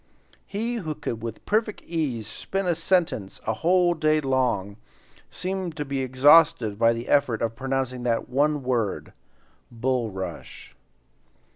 He who could with perfect ease spin a sentence a whole day long, seemed to be exhausted by the effort of pronouncing that one word, "bulrush."